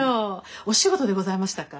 お仕事でございましたか？